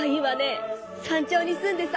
山頂に住んでさ！